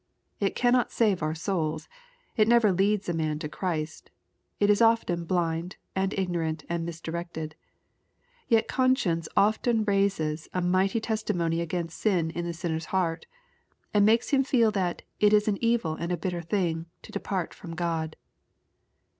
It cannot save our souls. It never leads a man to Christ. It is often blind, and ignorant, and misdirected. Yet conscience often raises a mighty testi mony against sin in the sinner's heart, and makes him feel that " it is an evil and a bitter thing" to depart from God.